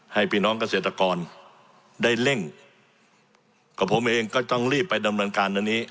พี่น้องเกษตรกรได้เร่งกับผมเองก็ต้องรีบไปดำเนินการอันนี้